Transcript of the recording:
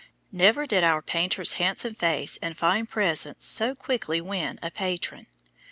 Never did our painter's handsome face and fine presence so quickly win a patron.